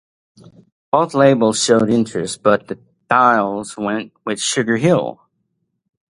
Both labels showed interest, but the Thiles went with Sugar Hill.